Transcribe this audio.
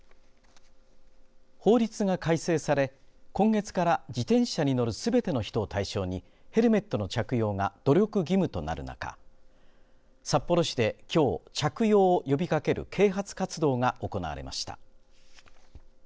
法律が改正され今月から自転車に乗るすべての人を対象にヘルメットの着用が努力義務となる中札幌市できょう着用を呼びかける啓発活動が行われました。